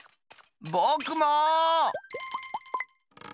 ぼくも！